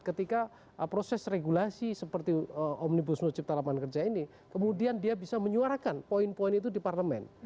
ketika proses regulasi seperti omnibus law cipta lapangan kerja ini kemudian dia bisa menyuarakan poin poin itu di parlemen